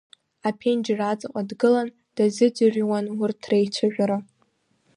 Аԥенџьыр аҵаҟа дгылан дазыӡырҩуан урҭ реицәажәара.